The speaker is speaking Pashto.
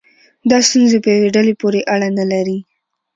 دا ستونزې په یوې ډلې پورې اړه نه لري.